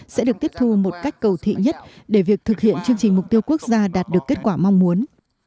sẽ được tiếp thu một cách cầu thị nhất để việc thực hiện chương trình mục tiêu quốc gia đạt được kết quả mong muốn